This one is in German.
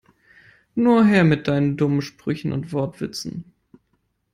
Nur her mit deinen dummen Sprüchen und Wortwitzen!